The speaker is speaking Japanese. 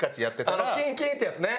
あのキンキン！ってやつね。